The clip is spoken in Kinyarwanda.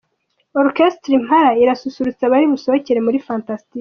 Orchestre Impala irasusurutsa abari busohokere muri Fantastic.